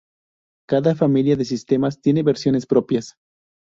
Cada familia de sistemas tiene versiones propias.